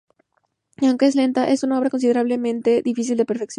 Aunque es lenta, es una obra considerablemente difícil de perfeccionar.